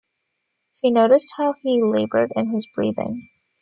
She noticed how he laboured in his breathing.